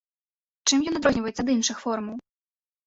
Чым ён адрозніваецца ад іншых форумаў?